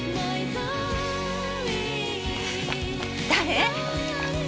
誰？